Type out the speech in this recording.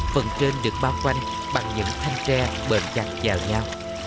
phần trên được bao quanh bằng những thanh tre bờm chặt vào nhau